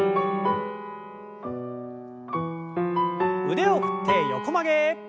腕を振って横曲げ。